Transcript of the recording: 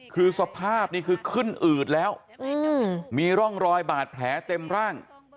คือสภาพนี่คือขึ้นอืดแล้วมีร่องรอยบาดแผลเต็มร่าง